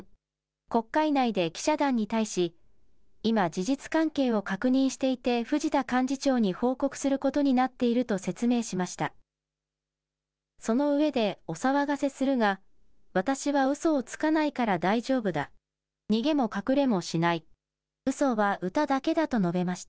国会内で記者団に対し、今、事実関係を確認していて藤田幹事長に報告することになっていると説明しました。